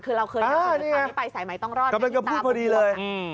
คือเราเคยเกิดเหตุการณ์ให้ไปใส่ไหมต้องรอดคำนั้นก็พูดพอดีเลย